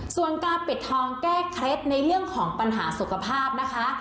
ส่วนการปิดทองแก้เคล็ดในเรื่องของปัญหาสุขภาพนะคะ